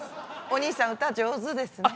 おにいさん歌上手ですね。